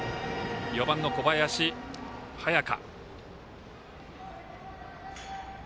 ４番の小林隼翔。